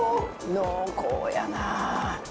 濃厚やなぁ。